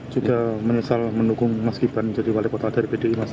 juga menyesal mendukung mas gibran menjadi wali kota dari pdi mas